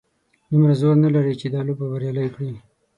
دومره زور نه لري چې دا لوبه بریالۍ کړي.